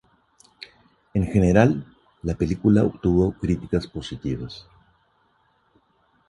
En general, la película obtuvo críticas positivas.